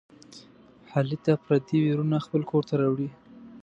علي تل پردي ویرونه خپل کورته راوړي.